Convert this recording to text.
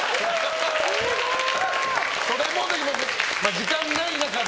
時間ない中で。